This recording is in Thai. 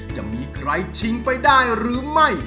จะมีใครชิงไปได้หรือไม่